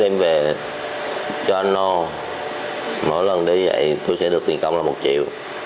mỗi lần đi vậy tôi sẽ được tiền công là một triệu